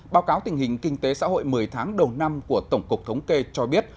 báo cáo tình hình kinh tế xã hội một mươi tháng đầu năm của tổng cục thống kê cho biết